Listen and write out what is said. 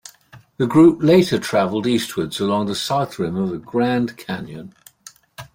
The group later traveled eastwards along the South Rim of the Grand Canyon.